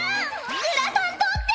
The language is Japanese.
グラサン取って！